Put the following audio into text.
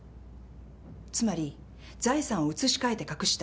つまり財産を移し替えて隠した。